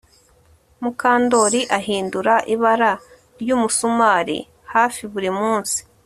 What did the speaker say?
Mukandoli ahindura ibara ryumusumari hafi buri munsi